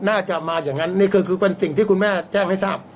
น่าจะมาอย่างนั้นนี่ก็คือเป็นสิ่งที่คุณแม่แจ้งให้ทราบ